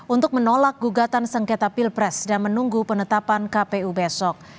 untuk menolak gugatan sengketa pilpres dan menunggu penetapan kpu besok